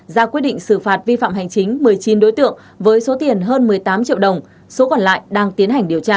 ra quyết định xử phạt vi phạm hành chính một mươi chín đối tượng với số tiền hơn một mươi tám triệu đồng số còn lại đang tiến hành điều tra